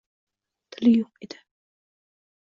Tili yo’q edi